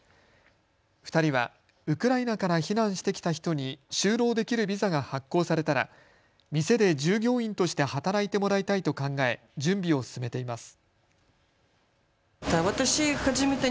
２人はウクライナから避難してきた人に就労できるビザが発行されたら店で従業員として働いてもらいたいと考え準備を進めています。